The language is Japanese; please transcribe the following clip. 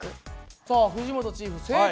さあ藤本チーフ正解は？